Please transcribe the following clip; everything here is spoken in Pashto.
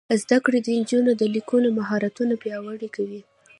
زده کړه د نجونو د لیکلو مهارتونه پیاوړي کوي.